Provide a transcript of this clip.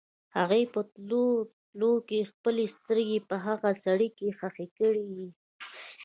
هغې په تلو تلو کې خپلې سترګې په هغه سړي کې ښخې کړې.